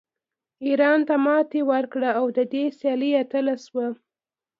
ایران ته ماتې ورکړه او د دې سیالۍ اتله شوه